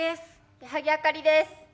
矢作あかりです。